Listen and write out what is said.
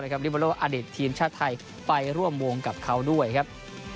ลิเบอร์โลอดิตทีมชาติไทยไปร่วมวงกับเขาด้วยครับ